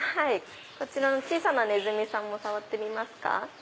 こちらの小さなネズミさんも触ってみますか？